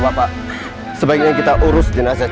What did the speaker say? bapak bapak sebaiknya kita urus dinaset